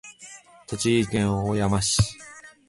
栃木県小山市